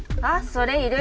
それいる？